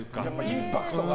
インパクトが。